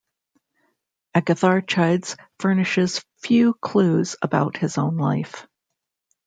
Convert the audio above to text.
Agatharchides furnishes few clues about his own life.